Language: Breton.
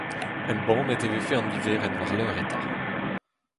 Embannet e vefe en niverenn war-lerc'h eta.